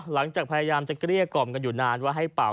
หลังจากพยายามจะเกลี้ยกล่อมกันอยู่นานว่าให้เป่า